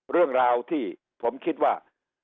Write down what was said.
เรื่องราวที่ผมคิดว่า